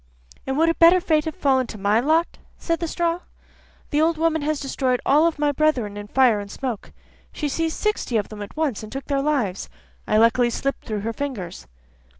'And would a better fate have fallen to my lot?' said the straw. 'The old woman has destroyed all my brethren in fire and smoke; she seized sixty of them at once, and took their lives. I luckily slipped through her fingers.